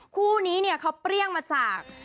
คู่นี้เนี่ยเขาเปรี้ยงมาจาก